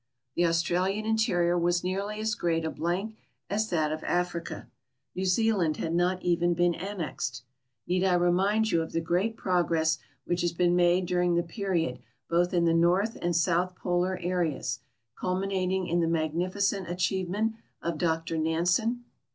The Australian interior was nearly as great a blank as that of Africa ; New Zealand had not even been annexed. Need I remind you of the great progress which has been made during the period both in the North and South Polar areas, culminating in the magni ficent achievem ent of Dr Nansen